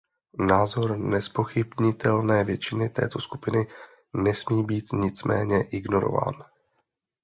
Názor nezpochybnitelné většiny této skupiny nesmí být, nicméně, ignorován.